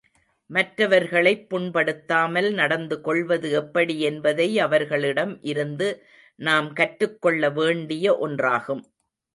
மற்றவர்களைப் புண்படுத்தாமல் நடந்துகொள்வது எப்படி என்பதை அவர்களிடம் இருந்து நாம் கற்றுக்கொள்ள வேண்டிய ஒன்றாகும்.